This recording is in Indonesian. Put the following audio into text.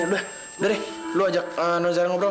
udah deh lu ajak nonzara ngobrol